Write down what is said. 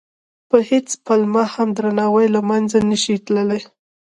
په هېڅ پلمه هم درناوی له منځه نه شي تللی.